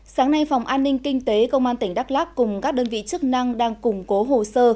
sáng nay phòng an ninh kinh tế công an tỉnh đắk lắc cùng các đơn vị chức năng đang củng cố hồ sơ